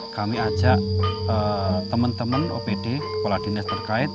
kami ajak teman teman opd kepala dinas terkait